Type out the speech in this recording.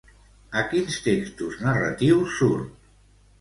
A quins textos narratius surt?